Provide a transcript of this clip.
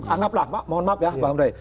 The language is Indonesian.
anggaplah pak mohon maaf ya pak amdai